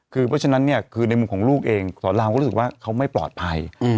คือเพราะฉะนั้นเนี่ยคือในมุมของลูกเองสอนรามก็รู้สึกว่าเขาไม่ปลอดภัย